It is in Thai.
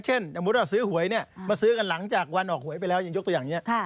เช่นถ้าสื้อหวยมาซื้อกันหลังจากวันออกหวยไปแล้วยกตัวอย่างนี้